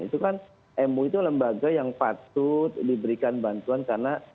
itu kan mui itu lembaga yang patut diberikan bantuan karena